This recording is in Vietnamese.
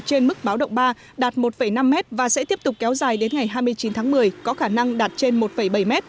trên mức báo động ba đạt một năm m và sẽ tiếp tục kéo dài đến ngày hai mươi chín tháng một mươi có khả năng đạt trên một bảy m